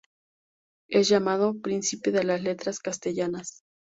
Es llamado "príncipe de las letras castellanas".